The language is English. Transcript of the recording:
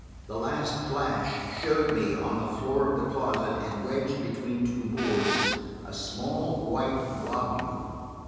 The last flash showed me, on the floor of the closet and wedged between two boards, a small white globule.